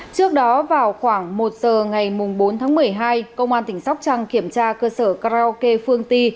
trước đó vào khoảng một giờ ngày bốn tháng một mươi hai công an tỉnh sóc trăng kiểm tra cơ sở karaoke phương ti